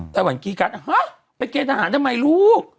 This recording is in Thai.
ไต้หวันกี้กันฮ้าไปเกณฑ์อาหารทำไมลูก